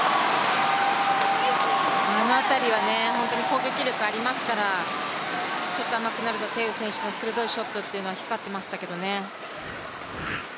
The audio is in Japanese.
今の辺りは本当に攻撃力ありますからちょっと甘くなると鄭雨選手の鋭いショットというのは光ってましたけどね。